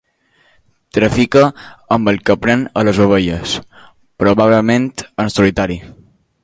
Trafica amb el que pren a les ovelles, probablement en solitari.